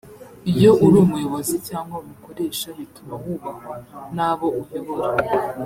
iyo uri umuyobozi cyangwa umukoresha bituma wubahwa n’abo uyobora